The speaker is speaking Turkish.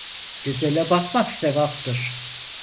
Güzele bakmak sevaptır.